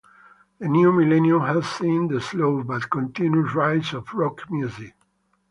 The new millennium has seen the slow but continuous rise of rock music.